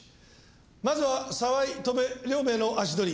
まずは澤井戸辺両名の足取り。